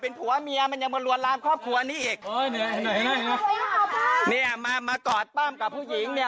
ผัวเมียมันยังมาลวนลามครอบครัวนี้อีกเนี่ยมากอดป้อมกับผู้หญิงเนี่ย